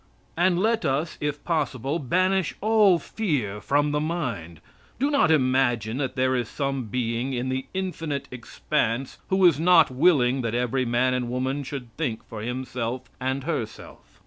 And let us if possible banish all fear from the mind. Do not imagine that there is some being in the infinite expanse who is not willing that every man and woman should think for himself and herself.